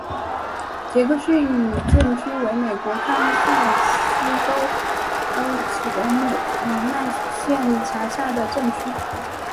杰克逊镇区为美国堪萨斯州索姆奈县辖下的镇区。